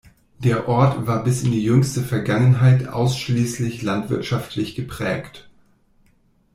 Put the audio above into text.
Der Ort war bis in die jüngste Vergangenheit ausschließlich landwirtschaftlich geprägt.